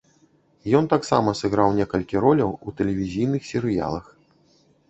Ён таксама сыграў некалькі роляў у тэлевізійных серыялах.